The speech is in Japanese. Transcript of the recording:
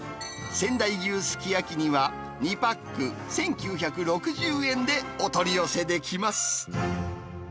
仙台牛すき焼き煮は２パック１９６０円でお取り寄せできます。